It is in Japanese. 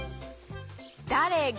「だれが」